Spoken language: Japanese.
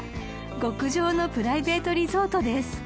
［極上のプライベートリゾートです］